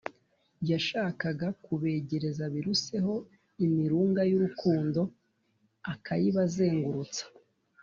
yashakaga kubegereza biruseho imirunga y’urukundo akayibazengurutsa